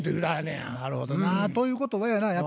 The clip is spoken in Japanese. なるほどな。ということはやな